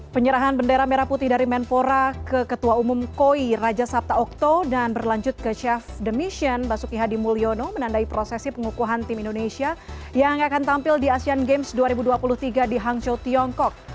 penyerahan bendera merah putih dari menpora ke ketua umum koi raja sabta okto dan berlanjut ke chef demission basuki hadi mulyono menandai prosesi pengukuhan tim indonesia yang akan tampil di asean games dua ribu dua puluh tiga di hangzhou tiongkok